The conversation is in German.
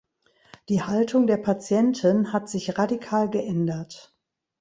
Die Haltung der Patienten hat sich radikal geändert.